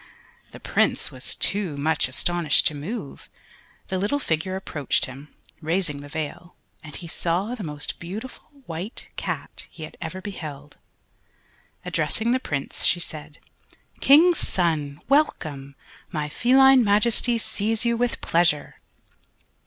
The Prince was too much astonished to move. The little figure approached him, raising the veil, and he saw the most beautiful White Cat he had ever beheld. Addressing the Prince she said: "King's son! welcome! my Feline Majesty sees you with pleasure!"